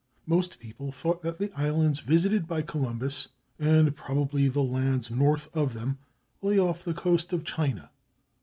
Most people thought that the islands visited by Columbus and probably the lands north of them lay off the coast of China.